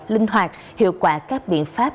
linh hoạt hiệu quả các biện pháp